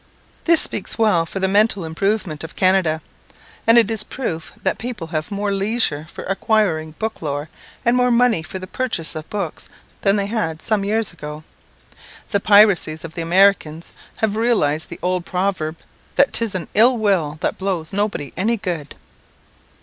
This speaks well for the mental improvement of Canada, and is a proof that people have more leisure for acquiring book lore, and more money for the purchase of books, than they had some years ago. The piracies of the Americans have realized the old proverb, "That 'tis an ill wind that blows nobody any good."